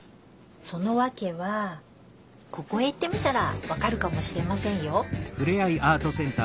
そのわけはここへ行ってみたらわかるかもしれませんよ。